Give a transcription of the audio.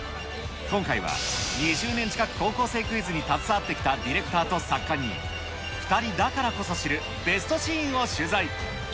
今回は、２０年近く高校生クイズに携わってきたディレクターと作家に、２人だからこそ知るベストシーンを取材。